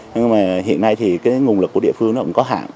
nhưng mà hiện nay thì nguồn lực của địa phương cũng có hạn